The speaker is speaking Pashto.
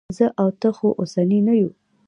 زه او ته خو اوسني نه یو.